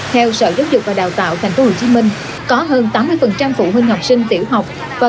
theo sở giáo dục và đào tạo thành phố hồ chí minh có hơn tám mươi phụ huynh học sinh tiểu học và